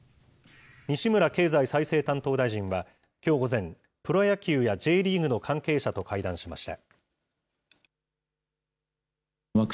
西村経済再生担当大臣はきょう午前、プロ野球やＪリーグの関係者と会談しました。